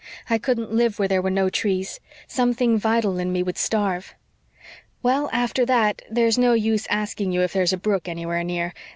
I couldn't live where there were no trees something vital in me would starve. Well, after that, there's no use asking you if there's a brook anywhere near.